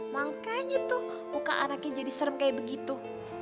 makanya tuh muka anaknya jadi serem kayak begitu